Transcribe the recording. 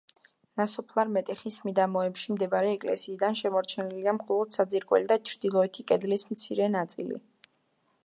ნასოფლარ მეტეხის მიდამოებში მდებარე ეკლესიიდან შემორჩენილია მხოლოდ საძირკველი და ჩრდილოეთი კედლის მცირე ნაწილი.